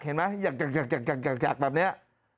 เห็นไหมอยากแบบนี้